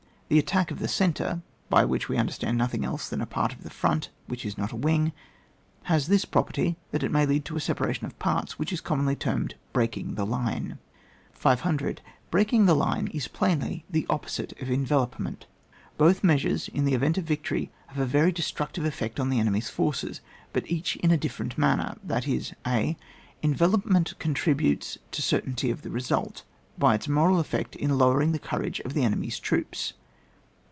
The attack of the centre (by which we tmderstand nothing else than a part of the front, which is not a wing,) has this property, that it may lead to a separation of parts which is commonly termed break ing the line. 500. Breaking the line is plainly Uie opposite of envelopment. Both measures, in the event of victory, have a very de structive effect on the enemy's forces, but each in a different manner, that is, a. Envelopment contributes to the cer tainty of the result, by its moral effect in lowering the courage of the enemy's troops.